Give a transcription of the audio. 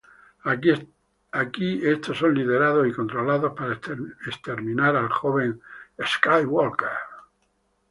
Aquí, estos son liberados y controlados para exterminar al joven Skywalker.